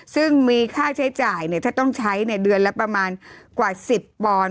ซึ่งมีค่าใช้จ่ายถ้าต้องใช้เดือนละประมาณกว่า๑๐ปอนด์